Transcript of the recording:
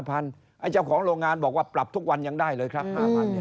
เจ้าของโรงงานบอกว่าปรับทุกวันยังได้เลยครับ๕๐๐เนี่ย